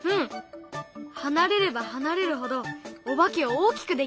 離れれば離れるほどお化けを大きくできる！